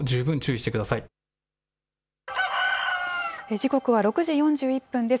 時刻は６時４１分です。